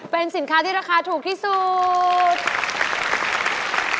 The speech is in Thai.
เป็นสินค้าที่ราคาถูกที่สุด